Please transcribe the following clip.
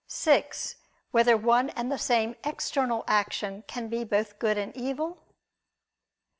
(6) Whether one and the same external action can be both good and evil?